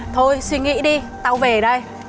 thôi suy nghĩ đi tao về đây